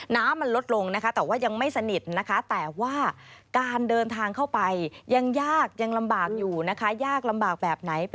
น้ามันลดลงนะคะนะแต่ว่ายังไม่สนิทนะคะ